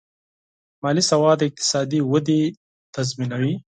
مالي سواد د اقتصادي ودې تضمینوي.